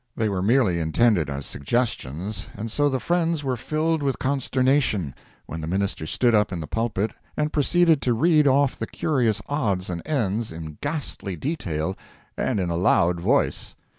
They were merely intended as suggestions, and so the friends were filled with consternation when the minister stood up in the pulpit and proceeded to read off the curious odds and ends in ghastly detail and in a loud voice!